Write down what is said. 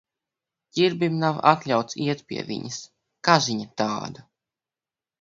Ķirbim nav atļauts iet pie viņas. Kaziņa tāda.